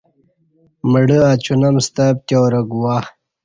مڑہ اچونم ستا پتیارہ گوا